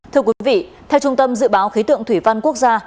thưa quý vị theo trung tâm dự báo khí tượng thủy văn quốc gia